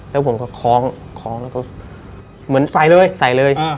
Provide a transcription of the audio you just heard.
แล้วผมก็คล้องคล้องแล้วก็เหมือนใส่เลยใส่เลย